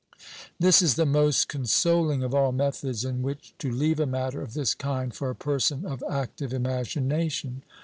This is the most consoling of all methods in which to leave a matter of this kind for a person of active imagination.